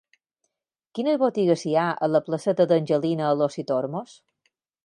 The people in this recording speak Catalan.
Quines botigues hi ha a la placeta d'Angelina Alòs i Tormos?